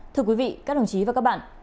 thưa quý vị các đồng chí và các bạn